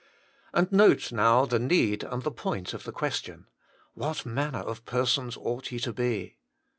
' And note now the need and the point of the question. ' What manner of persons ought ye to be